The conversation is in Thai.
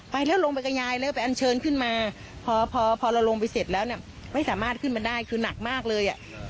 ไปแล้วลงไปกับยายแล้วไปอันเชิญขึ้นมาพอพอเราลงไปเสร็จแล้วเนี่ยไม่สามารถขึ้นมาได้คือหนักมากเลยอ่ะ